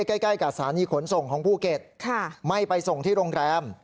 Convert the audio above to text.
ใกล้กับสถานีขนส่งของภูเก็ตไม่ไปส่งที่โรงแรม